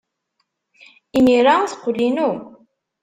Imir-a, teqqel inu.